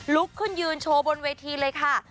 ลุกขึ้นยืนโชว์บนเวทีเลยค่ะ